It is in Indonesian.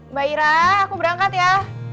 mbak ira aku berangkat ya